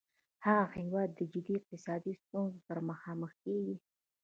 هغه هیواد د جدي اقتصادي ستونځو سره مخامخ کیږي